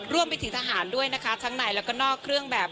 รวมไปถึงทหารด้วยนะคะทั้งในแล้วก็นอกเครื่องแบบ